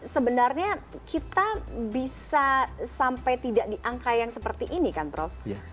sebenarnya kita bisa sampai tidak di angka yang seperti ini kan prof